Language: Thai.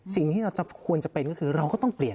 สิ่งที่เราจะควรจะเป็นก็คือเราก็ต้องเปลี่ยน